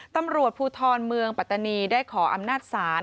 ตำรวจภูทรเมืองปัตตานีได้ขออำนาจศาล